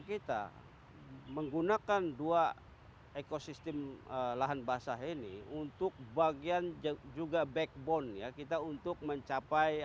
kita menggunakan dua ekosistem lahan basah ini untuk bagian juga backbone ya kita untuk mencapai